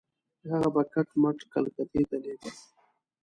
هغه به کټ مټ کلکتې ته لېږل.